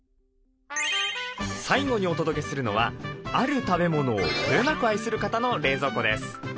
最後にお届けするのはある食べ物をこよなく愛する方の冷蔵庫です。